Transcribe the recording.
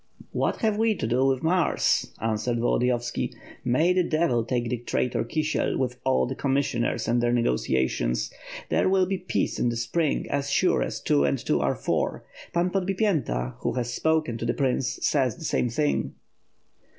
'' "What have we to do with Mars?'' answered Volodiyovski. "May the devil take the traitor Kisiel, with all the com missioners and their negotiations. There will be peace in the spring as sure as two and two are four. Pan Podbipyenta, who has spoken to the prince, says the same thing."